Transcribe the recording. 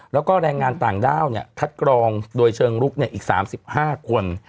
แล้วก็แรงงานต่างด้าวคัดกรองโดยเชิงลุกอีก๓๕คน